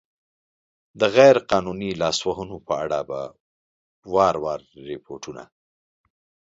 د غیر قانوني لاسوهنو په اړه په وار وار ریپوټون